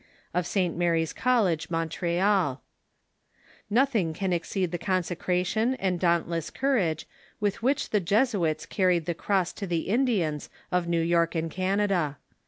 of St. Mary's College, Montreal, Nothing can exceed the con secration and dauntless courage with which the Jesuits carried the cross to the Indians of New York and Canada.